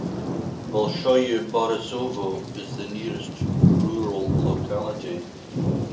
Bolshoye Borisovo is the nearest rural locality.